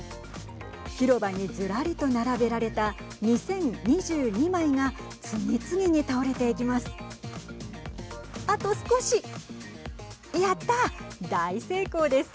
広場にずらりと並べられた２０２２枚が次々に倒れていきます。